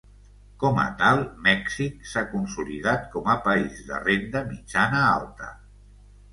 Com a tal, Mèxic s'ha consolidat com a país de renda mitjana-alta.